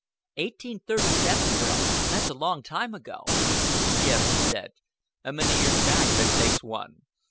"Eighteen thirty seven, Will! That's a long time ago." "Yes," he said, "a many years back that takes one.